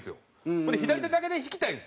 ほんで左手だけで引きたいんですよ。